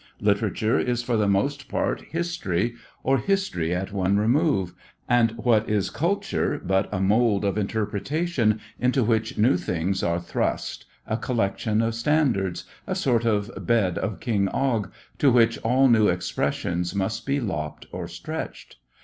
Literature is for the most part history or history at one remove, and what is culture but a mold of interpretation into which new things are thrust, a collection of standards, a sort of bed of King Og, to which all new expressions must be lopped or stretched?